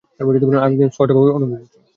আমি একদম স্পষ্টভাবে অনুভব করছি।